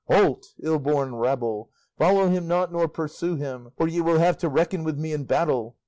Halt! ill born rabble, follow him not nor pursue him, or ye will have to reckon with me in battle!"